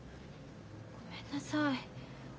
ごめんなさい。